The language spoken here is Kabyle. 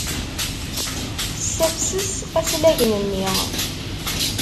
Tessafses aslagen-nni.